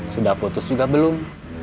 sudah putus juga belum